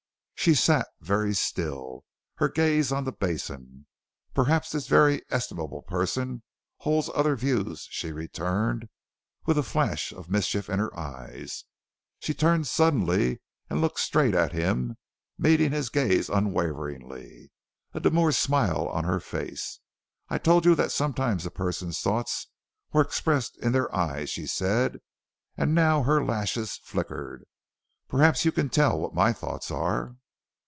She sat very still, her gaze on the basin. "Perhaps this very estimable person holds other views?" she returned, with a flash of mischief in her eyes. She turned suddenly and looked straight at him, meeting his gaze unwaveringly, a demure smile on her face. "I told you that sometimes a person's thoughts were expressed in their eyes," she said and now her lashes flickered "perhaps you can tell what my thoughts are?"